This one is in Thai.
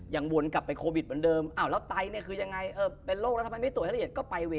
อย่างวนไปโควิดส